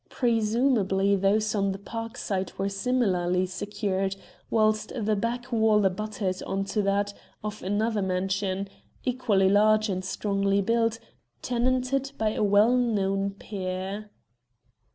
Presumably those on the Park side were similarly secured, whilst the back wall abutted on to that of another mansion, equally large and strongly built, tenanted by a well known peer.